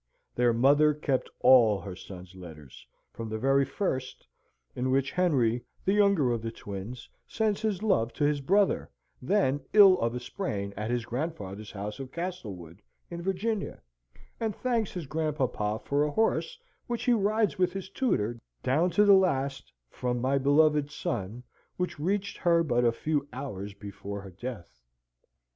Their mother kept all her sons' letters, from the very first, in which Henry, the younger of the twins, sends his love to his brother, then ill of a sprain at his grandfather's house of Castlewood, in Virginia, and thanks his grandpapa for a horse which he rides with his tutor, down to the last, "from my beloved son," which reached her but a few hours before her death.